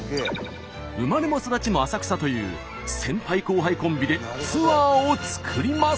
生まれも育ちも浅草という先輩後輩コンビでツアーを作ります。